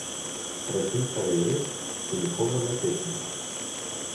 Resnica je jed, ki nikomur ne tekne.